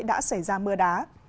đã xảy ra mưa đá